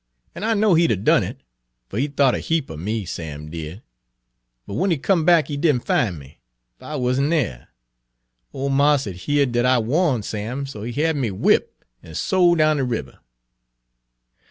An' I know he'd 'a' done it, fer he thought a heap er me, Sam did. But w'en he come back he did n' fin' me, fer I wuz n' dere. Ole marse had heerd dat I warned Sam, so he had me whip' an' sol' down de ribber.